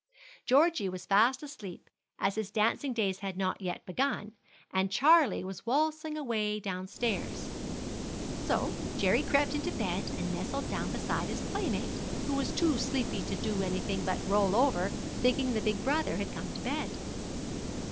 Georgie was fast asleep, as his dancing days had not yet begun, and Charlie was waltzing away down stairs; so Jerry crept into bed and nestled down beside his playmate, who was too sleepy to do anything but roll over, thinking the big brother had come to bed.